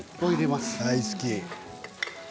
大好き。